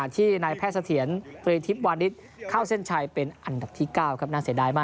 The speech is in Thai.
ที่นายแพทย์เสถียรตรีทิพย์วานิสเข้าเส้นชัยเป็นอันดับที่๙ครับน่าเสียดายมาก